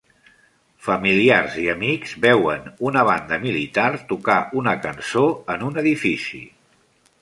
Familiars i amics veuen una banda militar tocar una cançó en un edifici